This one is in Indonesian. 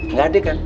nggak ada kan